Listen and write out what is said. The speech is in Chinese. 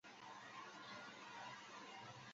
勒梅斯尼阿芒。